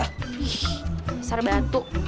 ih besar batu